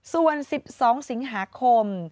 ส่วน๑๒สิงหาคม